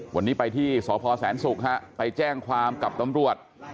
วันนี้ไปที่สพแสนศุกร์ฮะไปแจ้งความกับตำรวจ